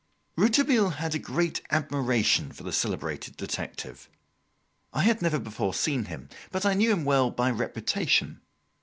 Rouletabille had a great admiration for the celebrated detective. I had never before seen him, but I knew him well by reputation.